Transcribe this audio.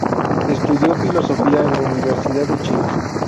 Estudió filosofía en la Universidad de Chile.